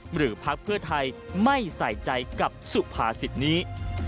หรือพักเพื่อไทยไม่ใส่ใจกับสุภาษิตนี้